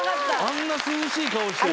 あんな涼しい顔してる。